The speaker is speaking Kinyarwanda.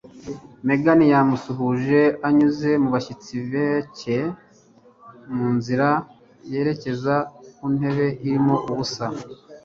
Megan yamusuhuje anyuze mu bashyitsi bake mu nzira yerekeza ku ntebe irimo ubusa.